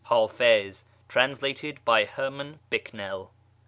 (Hafiz, translated by Herman Bicknell.)